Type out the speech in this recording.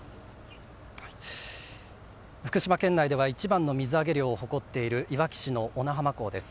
福島県内では一番の水揚げ量を誇っている、いわき市の小名浜港です。